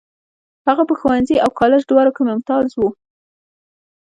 هغه په ښوونځي او کالج دواړو کې ممتاز و.